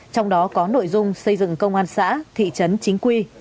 trong đó có nội dung xây dựng công an xã thị trấn chính quy